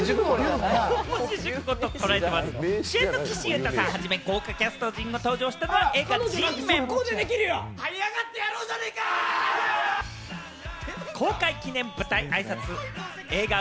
主演の岸優太さんをはじめ、豪華キャスト陣が登場したのは、映画『Ｇメン』の公開記念舞台あいさつ。